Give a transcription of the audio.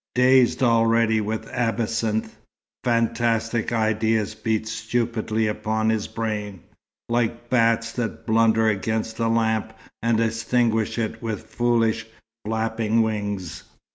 Dazed already with absinthe, fantastic ideas beat stupidly upon his brain, like bats that blunder against a lamp and extinguish it with foolish, flapping wings.